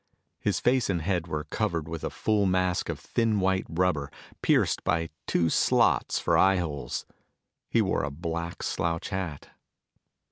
His face and head was covered with a full mask of thin white rubber, pierced by two slots for eyeholes. He wore a black slouch hat.